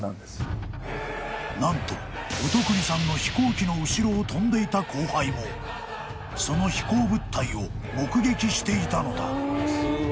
［何と乙訓さんの飛行機の後ろを飛んでいた後輩もその飛行物体を目撃していたのだ］